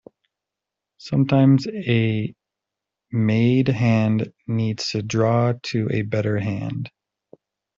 Sometimes a made hand needs to draw to a better hand.